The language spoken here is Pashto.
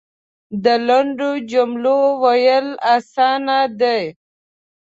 د لنډو جملو ویل اسانه دی .